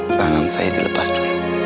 tangan saya dilepas dulu